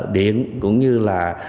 điện cũng như là